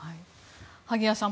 萩谷さん